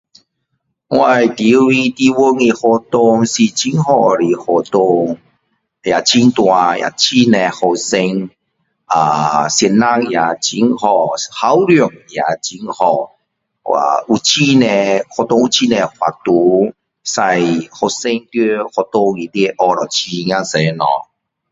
我住的地方的学校是真好的学校。也很大，也很多学生。啊！.老师也很好，校长也很好。哇！有很多，学校有很多活动让学生在学校里面学了很多东西。